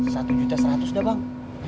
satu juta seratus udah bang